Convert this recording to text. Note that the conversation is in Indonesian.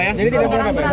jadi tidak benar apa